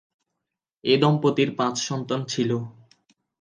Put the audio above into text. এ দম্পতির পাঁচ সন্তান ছিল।